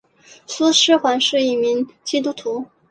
苏施黄是一名基督徒。